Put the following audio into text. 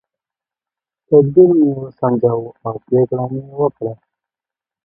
تدبیر مې وسنجاوه او پرېکړه مې وکړه.